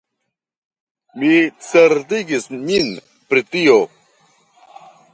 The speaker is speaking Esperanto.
Mi certigis min pri tio.